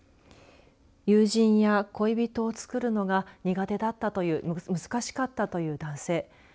友人や恋人をつくるのが苦手だったという難しかったという男性。